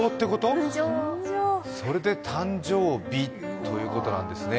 それで誕生日ということなんですね。